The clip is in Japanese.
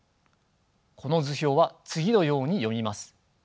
この図表は次のように読みます。